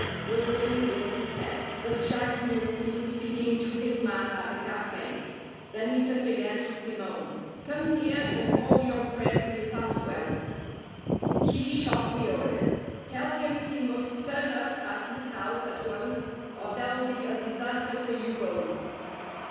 were the only words he said. But Jack knew he was speaking to his man at the café. Then he turned again to Simone. "Come here and call your friend Defasquelle," he sharply ordered. "Tell him he must turn up at his house at once or there'll be a disaster for you both."